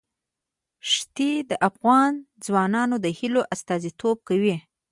ښتې د افغان ځوانانو د هیلو استازیتوب کوي.